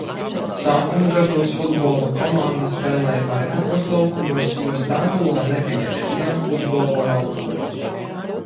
Sākuma gados futbola komanda spēlēja vairākos laukumos, jo Stambulā nebija neviena futbola laukuma.